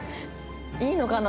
いいのかな？